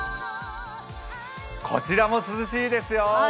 こちらも涼しいですよ。